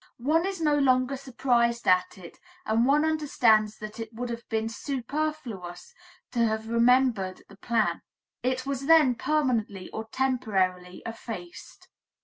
One is no longer surprised at it, and one understands that it would have been superfluous to have remembered the plan; it was then permanently or temporarily effaced.